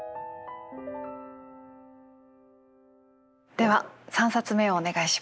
では３冊目をお願いします。